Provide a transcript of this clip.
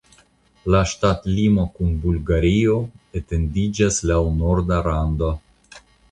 La ŝtatlimo kun Bulgario etendiĝas laŭ la norda rando.